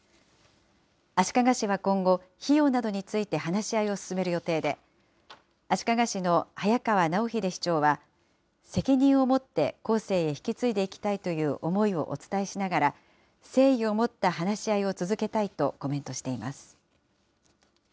足利市は今後、費用などについて話し合いを進める予定で、足利市の早川尚秀市長は、責任をもって後世に引き継いでいきたいという思いをお伝えしながら、誠意を持った話し合いを続けたいとコメントしています。